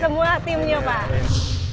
semua timnya pak